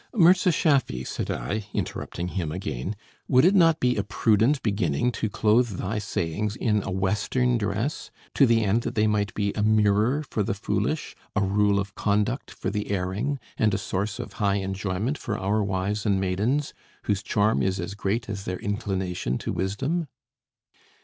"Mirza Schaffy," said I, interrupting him again, "would it not be a prudent beginning to clothe thy sayings in a Western dress, to the end that they might be a mirror for the foolish, a rule of conduct for the erring, and a source of high enjoyment for our wives and maidens, whose charm is as great as their inclination to wisdom?"